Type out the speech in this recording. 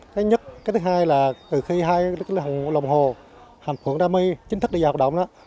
cái nhất cái thứ hai là từ khi hai lực lượng lồng hồ hàm phượng đa my chính thức đi vào hoạt động đó